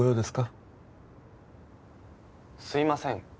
すいません。